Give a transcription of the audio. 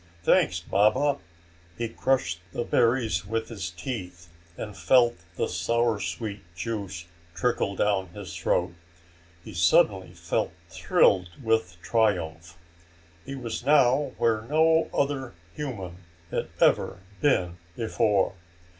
"Thanks, Baba!" He crushed the berries with his teeth and felt the sour sweet juice trickle down his throat. He suddenly felt thrilled with triumph. He was now where no other human had ever been before!